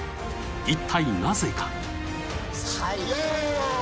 一体なぜか。